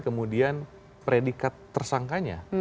kemudian predikat tersangkanya